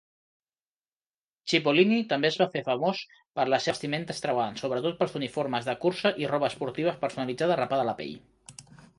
Cipollini també es va fer famós per la seva vestimenta extravagant, sobretot uniformes de cursa i roba esportiva personalitzada arrapada a la pell.